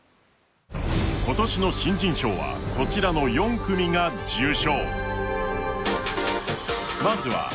今年の新人賞はこちらの４組が受賞。